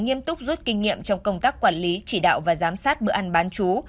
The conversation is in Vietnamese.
nghiêm túc rút kinh nghiệm trong công tác quản lý chỉ đạo và giám sát bữa ăn bán chú